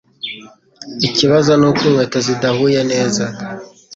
Ikibazo nuko inkweto zidahuye neza